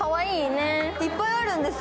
いっぱいあるんですよ。